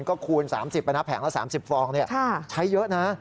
ก็คูณ๓๐ไปนะแผงละ๓๐ฟองใช้เยอะนะ